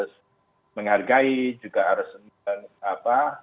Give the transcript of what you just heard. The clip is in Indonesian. harus menghargai juga harus apa